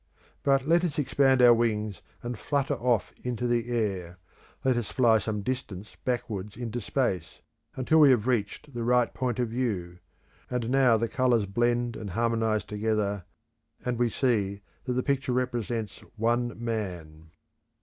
But let us expand our wings and flutter off into the air; let us fly some distance backwards into Space until we have reached the right point of view. And now the colours blend and harmonise together, and we see that the picture represents One Man.